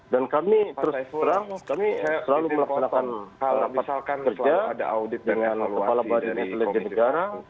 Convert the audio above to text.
dan kami terus terang kami selalu melakukan rapat kerja dengan kepala badan ekologi negara